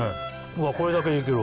うわこれだけでいけるわ。